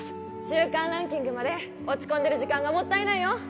週間ランキングまで落ち込んでる時間がもったいないよ